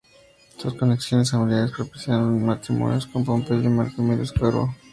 Sus conexiones familiares propiciaron sus matrimonios con Pompeyo y Marco Emilio Escauro.